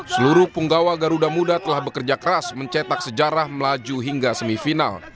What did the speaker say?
seluruh punggawa garuda muda telah bekerja keras mencetak sejarah melaju hingga semifinal